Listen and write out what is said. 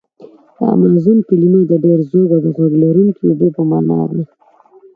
د امازون کلمه د ډېر زوږ او غږ لرونکي اوبو په معنا ده.